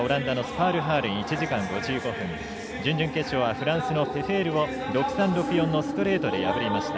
準々決勝はフランスのペフェールをストレートで破りました。